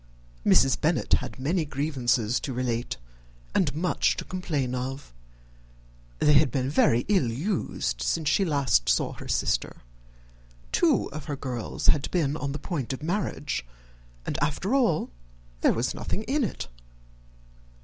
Mrs. Bennet had many grievances to relate, and much to complain of. They had all been very ill used since she last saw her sister. Two of her girls had been on the point of marriage, and after all there was nothing in it.